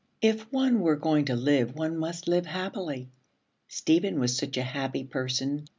If one were going to live one must live happily. Stephen was such a happy person.